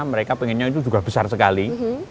mereka pengennya itu juga besar sekali